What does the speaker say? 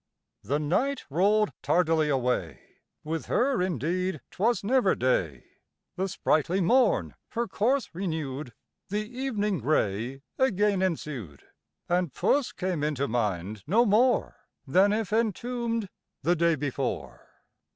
The night roll'd tardily away, (With her indeed 'twas never day,) The sprightly morn her course renew'd, The evening grey again ensued, And puss came into mind no more Than if entomb'd the day before.